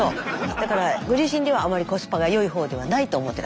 だからご自身ではあまりコスパが良い方ではないと思ってらっしゃるんですか？